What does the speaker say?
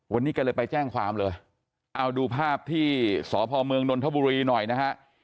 วันนี้แกเลยไปแจ้งความเลยเอาดูภาพที่สพเมืองนนทบุรีหน่อยนะฮะ